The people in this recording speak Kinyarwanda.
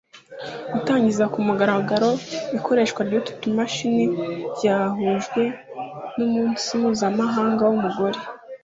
Gutangiza ku mugararagaro ikoreshwa ry’utu tumashini ryahujwe n’umunsi mpuzamahanga w’umugore